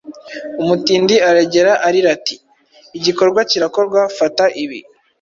Umutindi aregera, arira ati: `Igikorwa kirakorwa; Fata ibi,